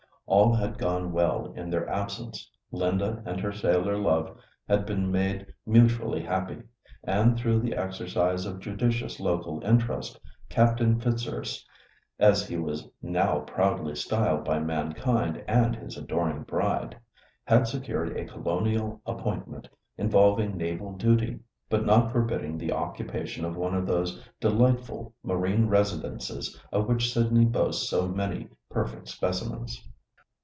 All had gone well in their absence—Linda and her sailor love had been made mutually happy, and through the exercise of judicious local interest Captain Fitzurse, as he was now proudly styled by mankind and his adoring bride, had secured a colonial appointment involving naval duty, but not forbidding the occupation of one of those delightful marine residences of which Sydney boasts so many perfect specimens.